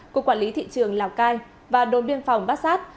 của quản lý thị trường lào cai và đồn biên phòng bát giác